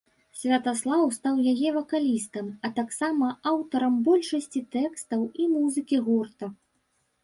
Святаслаў стаў яе вакалістам, а таксама аўтарам большасці тэкстаў і музыкі гурта.